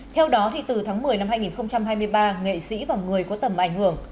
theo đó từ tháng một mươi năm hai nghìn hai mươi ba nghệ sĩ và người có tầm ảnh hưởng